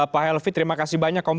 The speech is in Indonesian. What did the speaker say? pak helvi terima kasih banyak